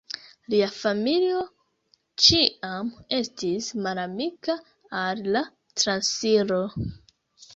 Lia familio ĉiam estis malamika al la transiro.